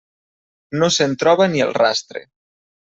No se'n troba ni el rastre.